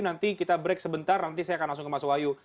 nanti kita break sebentar nanti saya akan langsung ke mas wahyu